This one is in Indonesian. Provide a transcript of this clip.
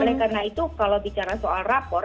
oleh karena itu kalau bicara soal rapor